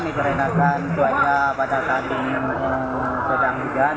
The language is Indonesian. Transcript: diperkenalkan suara pada saat ini sedang hujan